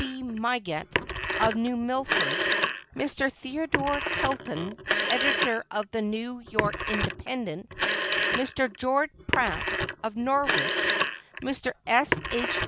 B. Mygatt, of New Milford, Mr. Theodore Tilton, editor of the New York Independent, Mr. George Pratt, of Norwich, Mr. S. H.